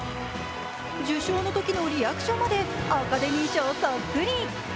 受賞のときのリアクションまでアカデミー賞そっくり。